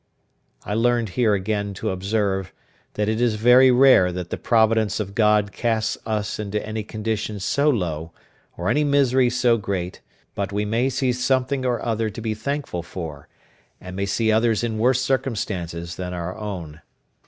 I learned here again to observe, that it is very rare that the providence of God casts us into any condition so low, or any misery so great, but we may see something or other to be thankful for, and may see others in worse circumstances than our own.